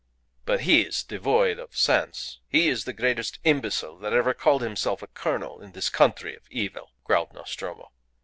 "But he is devoid of sense. He is the greatest imbecile that ever called himself a colonel in this country of evil," growled Nostromo.